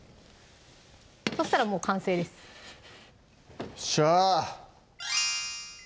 そしたらもう完成ですよっしゃ